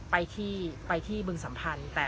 ไปที่บึงสัมพันธ์